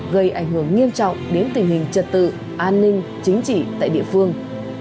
gây ảnh hưởng nghiêm trọng đến tình hình trật tự an ninh chính trị tại địa phương